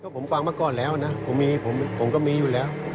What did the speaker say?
ผมฟังมาก่อนแล้วนะผมมีผมก็มีอยู่แล้ว